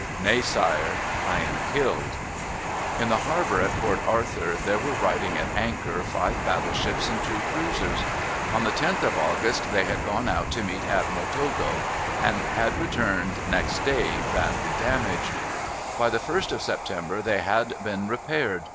"Nay, sire; I am killed." In the harbour at Port Arthur there were riding at anchor five battleships and two cruisers. On the 10th of August they had gone out to meet Admiral Togo, and had returned next day badly damaged. By the 1st of September they had been repaired.